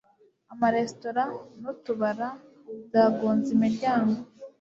amaresitora n'utubara byagunze imiryango